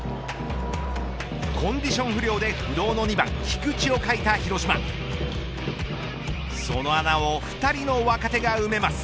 コンディション不良で不動の２番、菊池を欠いた広島その穴を２人の若手が埋めます。